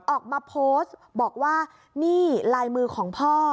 ออกมาโพสต์บอกว่านี่ลายมือของพ่อ